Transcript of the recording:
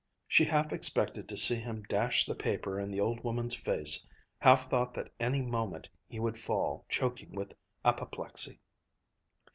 She half expected to see him dash the paper in the old woman's face, half thought that any moment he would fall, choking with apoplexy.